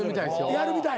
やるみたい？